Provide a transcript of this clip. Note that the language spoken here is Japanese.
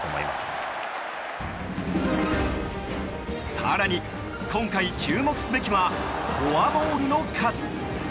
更に今回、注目すべきはフォアボールの数。